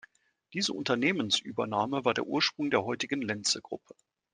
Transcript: Diese Unternehmensübernahme war der Ursprung der heutigen Lenze-Gruppe.